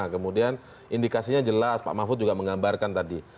kemudian indikasinya jelas pak mahfud juga menggambarkan tadi